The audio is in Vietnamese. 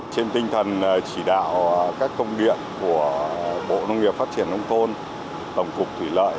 trên tinh thần chỉ đạo các công điện của bộ nông nghiệp phát triển nông thôn tổng cục thủy lợi